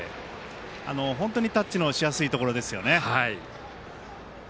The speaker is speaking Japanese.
本当に、タッチのしやすいところですよね。